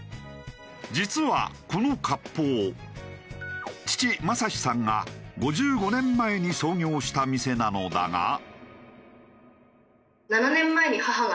実はこの割烹父正士さんが５５年前に創業した店なのだが。